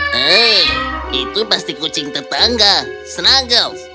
hei itu pasti kucing tetangga snuggle